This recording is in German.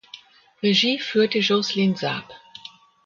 Regie führte Jocelyne Saab.